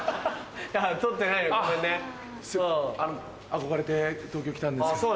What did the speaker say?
憧れて東京来たんですけど。